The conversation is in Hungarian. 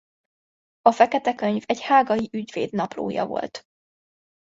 A Fekete Könyv egy hágai ügyvéd naplója volt.